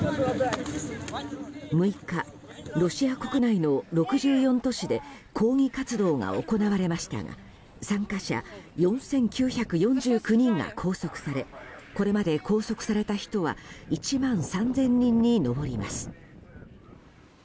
６日、ロシア国内の６４都市で抗議活動が行われましたが参加者４９４９人が拘束されこれまで拘束された人は１万３０００人に上ります。